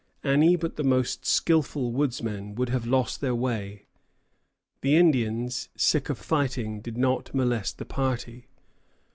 Any but the most skilful woodsmen would have lost their way. The Indians, sick of fighting, did not molest the party.